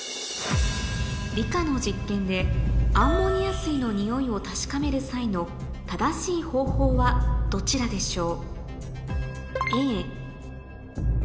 理科の実験でアンモニア水のにおいを確かめる際の正しい方法はどちらでしょう？